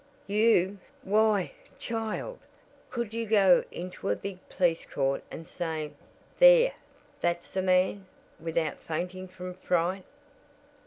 "You? Why, child, could you go into a big police court and say: 'There, that's the man;' without fainting from fright?"